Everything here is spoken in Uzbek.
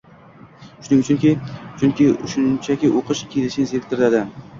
Shuning uchunki, shunchaki o‘qish kishini zeriktiradi